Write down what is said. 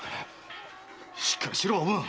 しっかりしろおぶん。